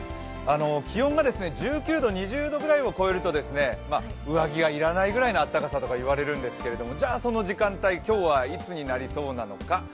気温が１９度、２０度くらいを超えると上着がいらないぐらいの暖かさといわれるんですけどじゃあ、その時間帯今日はいつになりそうなのか。